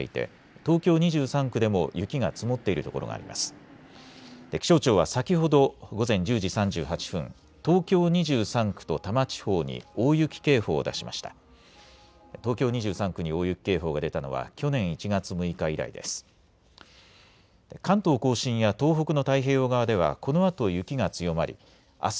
東京２３区に大雪警報が出たのは去年１月６日以来です。